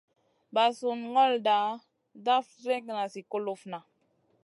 Ɓasunda ŋolda daf dregŋa zi kulufna.